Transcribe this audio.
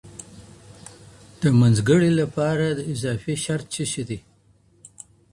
د منځګړي لپاره اضافي شرط څه سی دی؟